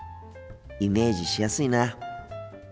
イメージしやすいな。